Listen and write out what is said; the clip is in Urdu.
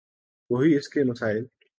وہی اس کے مسائل۔